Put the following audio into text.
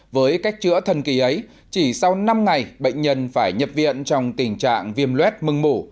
với cách chữa thần kỳ ấy chỉ sau năm ngày bệnh nhân phải nhập viện trong tình trạng viêm luet mừng mủ